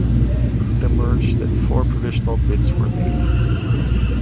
It emerged that four provisional bids were made.